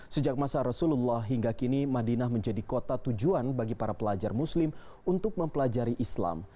sejak masa rasulullah hingga kini madinah menjadi kota tujuan bagi para pelajar muslim untuk mempelajari islam